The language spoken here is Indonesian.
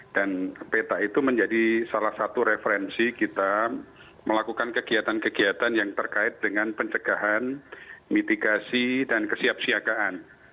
dan peta itu menjadi salah satu referensi kita melakukan kegiatan kegiatan yang terkait dengan pencegahan mitigasi dan kesiapsiagaan